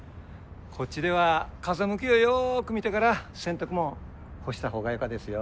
こっちでは風向きをよく見てから洗濯物干したほうがよかですよ。・